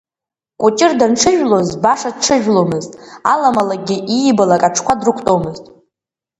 Кәыҷыр данҽыжәлоз баша дҽыжәломызт, аламалагьы иибалак аҽқәа дрықәтәомызт.